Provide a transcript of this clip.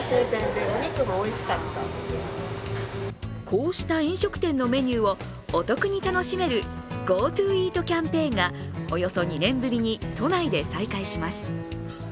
こうした飲食店のメニューをお得に楽しめるＧｏＴｏイートキャンペーンがおよそ２年ぶりに都内で再会します